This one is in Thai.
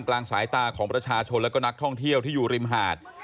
กลางสายตาของประชาชนและก็นักท่องเที่ยวที่อยู่ริมหาด